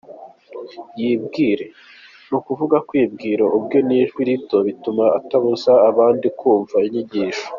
Yibwire” ni ukuvuga kwibwira ubwe n’ijwi rito, bituma atabuza abandi kumva inyigisho.